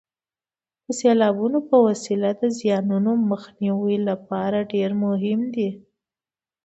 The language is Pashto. د سیلابونو په وسیله د زیانونو مخنیوي لپاره ډېر مهم دي.